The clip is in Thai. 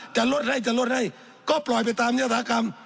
จะลดให้จะลดให้ก็ปล่อยไปตามยศากรรม